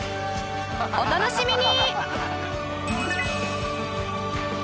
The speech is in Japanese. お楽しみに！